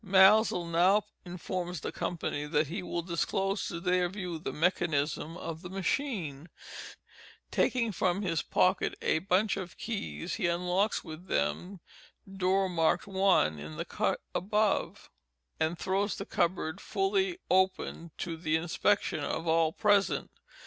Maelzel now informs the company that he will disclose to their view the mechanism of the machine. Taking from his pocket a bunch of keys he unlocks with one of them, door marked ~ in the cut above, and throws the cupboard fully open to the inspection of all present.